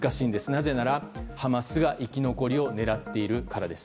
なぜなら、ハマスが生き残りを狙っているからです。